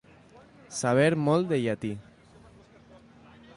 Saber molt de llatí.